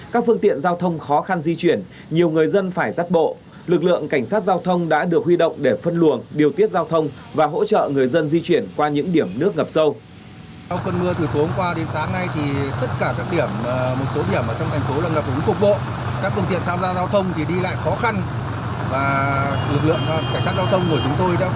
các phương tiện giao thông khó khăn di chuyển nhiều người dân phải rắt bộ lực lượng cảnh sát giao thông đã được huy động để phân luồng điều tiết giao thông và hỗ trợ người dân di chuyển qua những điểm nước ngập sâu